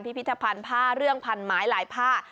พิพิธภัณฑ์ผ้าเรื่องพันไม้หลายผ้า